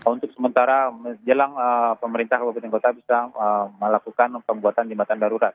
untuk sementara jelang pemerintah kabupaten kota bisa melakukan pembuatan jembatan darurat